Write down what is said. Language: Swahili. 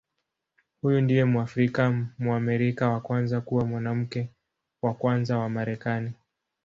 Huyu ndiye Mwafrika-Mwamerika wa kwanza kuwa Mwanamke wa Kwanza wa Marekani.